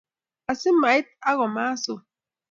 Asi mait ak kimas o